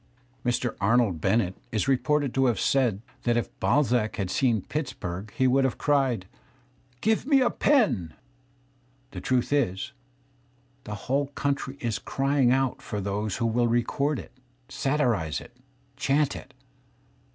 Mr. Arnold Bennett is reported to have said that if Balzac T had seen Pittsburgh, he would have cried :" Give me a pen !" JThe truth is, the whole country is crying out for ^ose who .^,/ I will record it, satirize it, chant it.